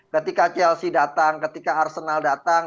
ketika chelsea datang ketika arsenal datang